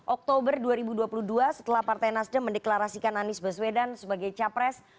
oktober dua ribu dua puluh dua setelah partai nasdem mendeklarasikan anies baswedan sebagai capres